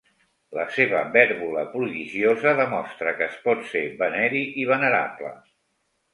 La seva vèrbola prodigiosa demostra que es pot ser veneri i venerable.